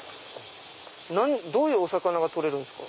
どういうお魚が取れるんですか？